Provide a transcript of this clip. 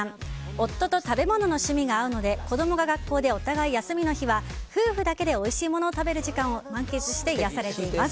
夫と食べ物の趣味が合うので子供が学校でお互い休みの日は夫婦だけでおいしいものを食べる時間を満喫して、癒やされています。